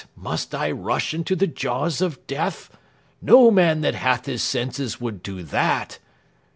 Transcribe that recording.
must I rush into the jaws of death? No man that hath his senses would do that!"